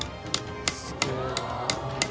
すげえな。